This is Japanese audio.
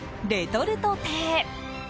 レトルト亭。